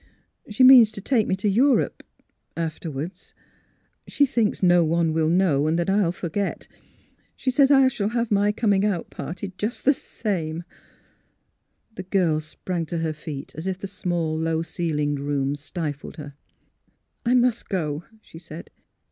She means to take me to Europe, afterwards. She thinks no one will know, and that I will forget. She says I shall have my coming out party, just the same." 238 THE HEART OF PHILURA The girl sprang to her feet, as if the small, low ceiled room stiffled her. " I must go," she said.